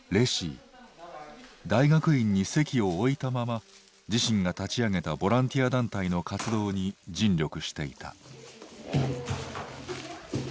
大学院に籍を置いたまま自身が立ち上げたボランティア団体の活動に尽力していた。